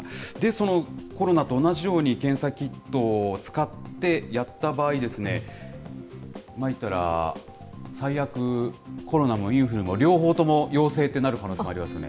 そのコロナと同じように検査キットを使ってやった場合ですね、言ったら最悪、コロナもインフルも両方陽性ってなる可能性もありますよね。